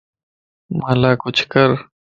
مان لا ڪچهه ڪر